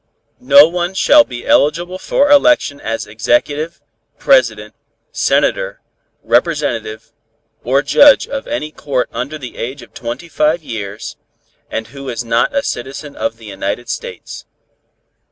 No one shall be eligible for election as Executive, President, Senator, Representative or Judge of any court under the age of twenty five years, and who is not a citizen of the United States.